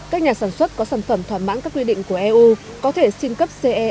các nhà sản xuất có sản phẩm thỏa mãn các quy định của eu có thể xin cấp ce